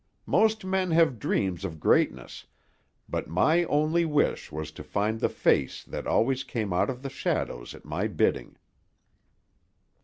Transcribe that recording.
Most men have dreams of greatness, but my only wish was to find the face that always came out of the shadows at my bidding."